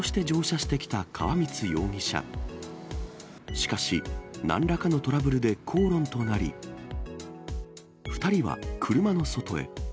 しかし、なんらかのトラブルで口論となり、２人は車の外へ。